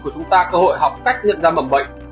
của chúng ta cơ hội học cách nhận ra mầm bệnh